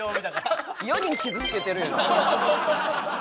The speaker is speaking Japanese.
４人傷つけてるやん。